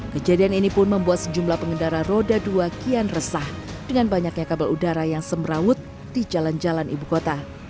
kejadian ini pun membuat sejumlah pengendara roda dua kian resah dengan banyaknya kabel udara yang semrawut di jalan jalan ibu kota